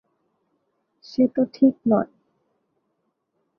সে তো ঠিক নয়।